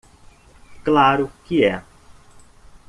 Claro que é.